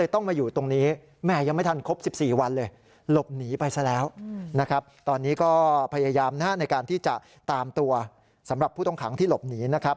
ตอนนี้ก็พยายามในการที่จะตามตัวสำหรับผู้ต้องขังที่หลบหนีนะครับ